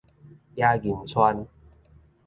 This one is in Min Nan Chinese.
野銀村